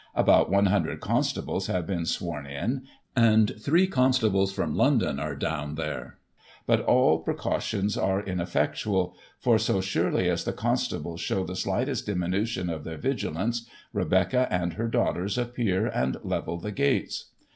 About 100 constables have been sworn in, and three constables from London are down there ; but all precautions are ineffectual ; for so surely as the constables show the slightest diminution of their vigilance, Rebecca and her daughters appear, and level the gates.